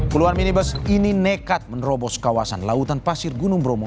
puluhan minibus ini nekat menerobos kawasan lautan pasir gunung bromo